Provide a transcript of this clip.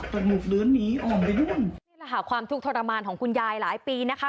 ต้นมูกลื้นนีอ้อมไปนู้นในระหะความทุกข์ทรมานของคุณยายหลายปีนะคะ